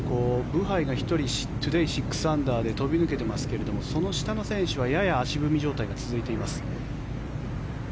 ブハイが１人、トゥデー６アンダーで飛び抜けていますけどその下の選手はやや足踏み状態が続いています。